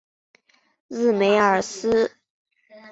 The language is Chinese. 日梅尔斯基在华沙担任波兰军行政副主任。